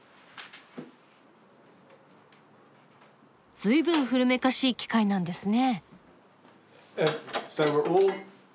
ずいぶん古めかしい機械なんですね。